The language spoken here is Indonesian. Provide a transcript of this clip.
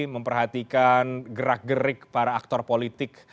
memperhatikan gerak gerik para aktor politik